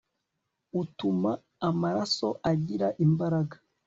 utuma amaraso agira imbaraga